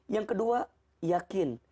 yang kedua yakin